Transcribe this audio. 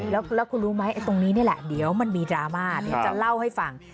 แล้วคุณรู้ไหมตรงนี้นี่แหละเดี๋ยวมันมีดราม่าเดี๋ยวจะเล่าให้ฟัง